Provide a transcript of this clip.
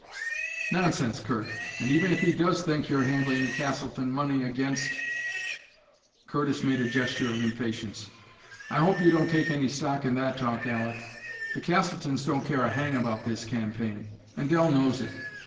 "Nonsense, Curt. And even if he does think you're handling the Castleton money against " Curtis made a gesture of impatience. "I hope you don't take any stock in that talk, Aleck. The Castletons don't care a hang about this campaign, and Dell knows it.